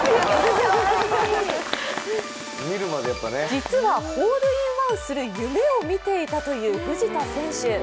実はホールインワンする夢を見ていたという藤田選手。